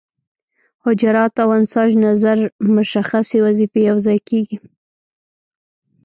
حجرات او انساج نظر مشخصې وظیفې یوځای کیږي.